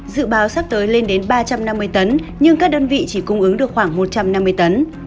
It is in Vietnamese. dự báo sắp tới lên đến ba trăm năm mươi tấn nhưng các đơn vị chỉ cung ứng được khoảng một trăm năm mươi tấn